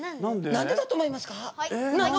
何でだと思いますか？